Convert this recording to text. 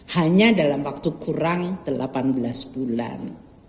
hanya dalam waktu kurang delapan belas bulan